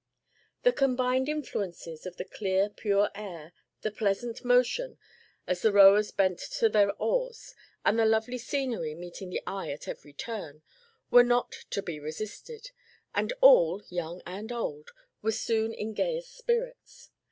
The combined influences of the clear, pure air, the pleasant motion, as the rowers bent to their oars, and the lovely scenery meeting the eye at every turn, were not to be resisted; and all, old and young, were soon in gayest spirits.